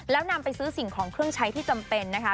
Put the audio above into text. แล้วนำไปซื้อสิ่งของเครื่องใช้ที่จำเป็นนะคะ